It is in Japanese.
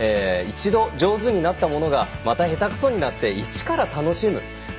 一度上手になったものがまた下手くそになって一から楽しむ。